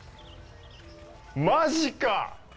マジか！